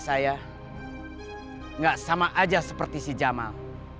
saya nggak sama aja seperti si jamal